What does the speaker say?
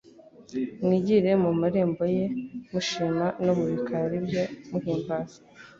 mwijyire mu marembo ye mushima no mu bikari bye muhimbaza.